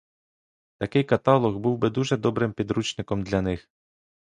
Такий каталог був би дуже добрим підручником для них.